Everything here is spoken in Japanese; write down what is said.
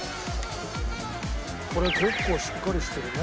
これ結構しっかりしてるね。